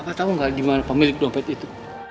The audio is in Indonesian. bapak tau gak gimana pemilik dompet itu